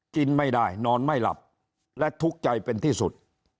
กินไม่ได้นอนไม่หลับและทุกข์ใจเป็นที่สุด